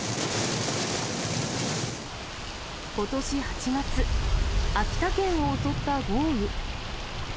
ことし８月、秋田県を襲った豪雨。